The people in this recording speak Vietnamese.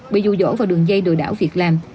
bị dù dỗ vào đường dây lừa đảo việt nam